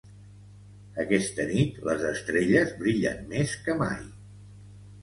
Aquesta nit les estrelles brillen més que mai